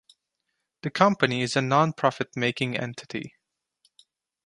The company is a non- profit making entity.